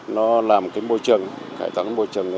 nó làm cái môi trường